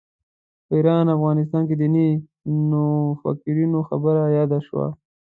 په ایران افغانستان کې دیني نوفکرانو خبره یاده شوه.